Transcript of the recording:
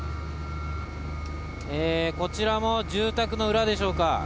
こちらも住宅の裏でしょうか。